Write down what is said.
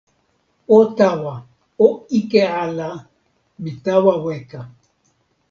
o tawa. o ike ala. mi tawa weka.